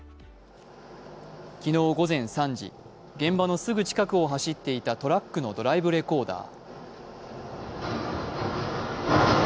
昨日午前３時、現場のすぐ近くを走っていたトラックのドライブレコーダー。